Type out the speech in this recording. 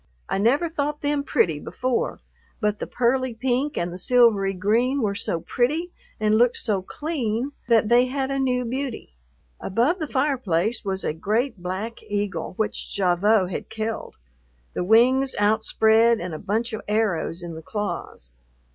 I never thought them pretty before, but the pearly pink and the silvery green were so pretty and looked so clean that they had a new beauty. Above the fireplace was a great black eagle which Gavotte had killed, the wings outspread and a bunch of arrows in the claws.